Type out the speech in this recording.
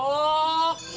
ya udah jelas